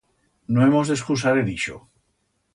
No hemos d'escusar en ixo.